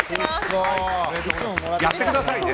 やってくださいね！